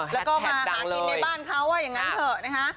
แล้วก็มาหากินในบ้านเขาว่าอย่างนั้นเถอะนะคะ